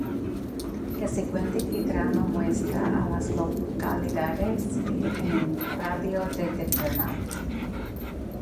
El siguiente diagrama muestra a las localidades en un radio de de Paramount.